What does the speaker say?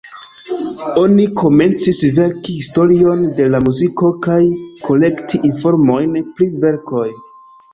Oni komencis verki historion de la muziko kaj kolekti informojn pri verkoj.